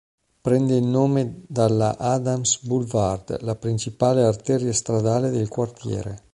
Prende il nome dalla "Adams Boulevard" la principale arteria stradale del quartiere.